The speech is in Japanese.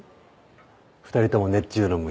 ２人とも熱中の虫。